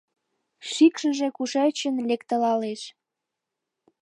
Шикшыже кушечын лекталалеш?